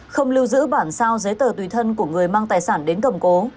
không lưu giữ bản sao giấy tờ tùy thân của người mang tài sản đến cầm cố